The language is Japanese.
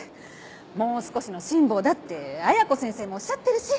もう少しの辛抱だって綾子先生もおっしゃってるし。